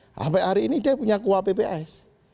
sampai hari ini dia punya kuah pps